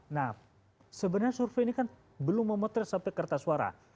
nah sebenarnya survei ini kan belum memotret sampai kertas suara